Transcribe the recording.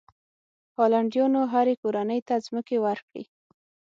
هالنډیانو هرې کورنۍ ته ځمکې ورکړې.